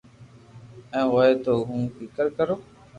ايم ھوئي تو ھون ڪيڪر ڪرو